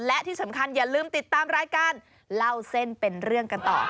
และที่สำคัญอย่าลืมติดตามรายการเล่าเส้นเป็นเรื่องกันต่อ